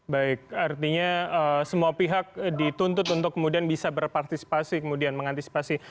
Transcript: baik artinya semua pihak dituntut untuk kemudian bisa berpartisipasi kemudian mengantisipasi